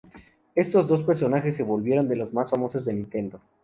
Estos dos personajes se volvieron de los más famosos de Nintendo.